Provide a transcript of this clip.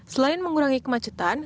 selain mengurangi kemacetan